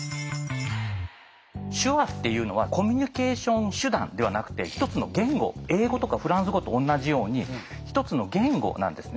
手話っていうのはコミュニケーション手段ではなくて１つの言語英語とかフランス語と同じように１つの言語なんですね。